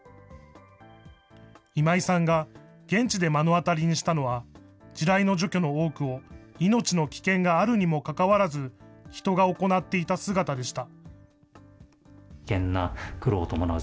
今井さんが現地で目の当たりにしたのは、地雷の除去の多くを、命の危険があるにもかかわらず、人が行っていた姿でした。